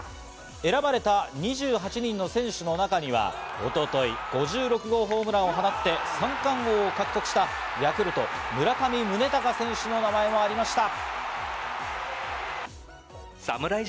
選ばれた２８人の選手の中には一昨日５６号ホームランを放って三冠王を獲得したヤクルト・村上宗隆選手の名前もありました。